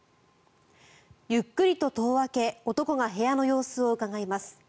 ゆっくりと戸を開け男が部屋の様子をうかがいます。